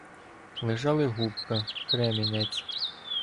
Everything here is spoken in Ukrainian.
Лежали губка, кремінець.